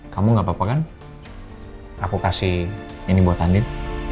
kamu gak apa apa kan aku kasih ini buat andin